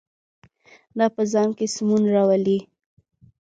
دا په ځان کې سمون راولي.